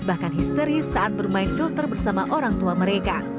bahkan histeris saat bermain filter bersama orang tua mereka